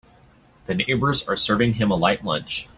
The neighbors are serving him a light lunch.